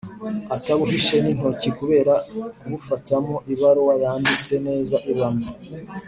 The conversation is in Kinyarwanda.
atabuhishe n intoki kubera kubufatamo Ibaruwa yanditse neza ibamo